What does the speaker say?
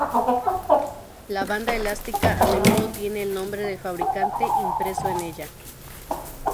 La banda elástica a menudo tiene el nombre del fabricante impreso en ella.